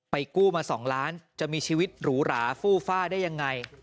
กู้มา๒ล้านจะมีชีวิตหรูหราฟู่ฟ่าได้ยังไง